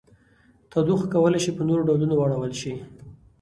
تودوخه کولی شي په نورو ډولونو واړول شي.